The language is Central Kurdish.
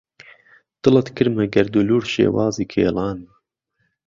دڵتکردمه گەرد و لور شێوازی کێڵان